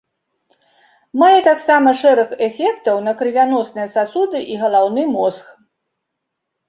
Мае таксама шэраг эфектаў на крывяносныя сасуды і галаўны мозг.